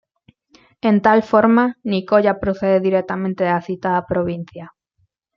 En tal forma, Nicoya procede directamente de la citada provincia.